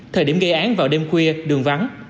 thời điểm gây án vào đêm khuya đường vắng